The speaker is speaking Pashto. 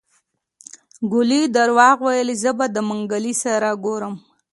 ګولي دروغ ويلي زه به د منګلي سره ګورم.